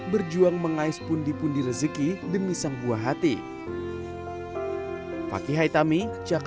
berjuang mengais pundi pundi rezeki demi sang buah hati